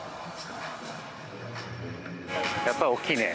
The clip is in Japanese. やっぱり大きいね